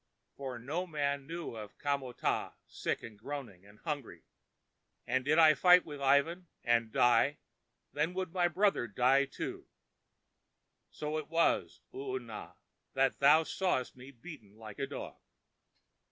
For no man knew of Kamo tah, sick and groaning and hungry; and did I fight with Ivan, and die, then would my brother die, too. So it was, Oona, that thou sawest me beaten like a dog.